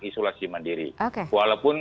isolasi mandiri walaupun